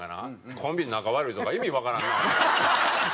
コンビ仲悪いとか意味わからんなホンマ。